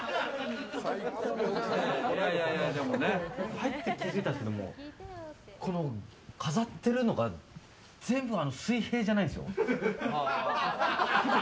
入って気づいたんですけども飾ってるのが全部水平じゃないんですよ。